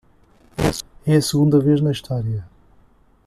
É a segunda vez na história